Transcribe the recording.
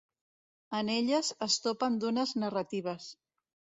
En elles es topen dunes narratives.